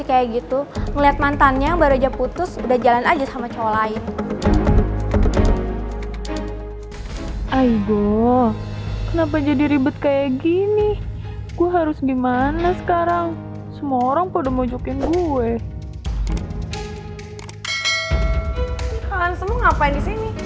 kalian semua ngapain disini